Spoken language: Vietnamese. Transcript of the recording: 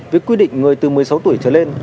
với quy định người từ một mươi sáu tuổi trở lên